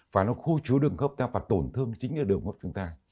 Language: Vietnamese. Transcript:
và nó khu trú đồng hợp ta và tổn thương chính ở đồng hợp chúng ta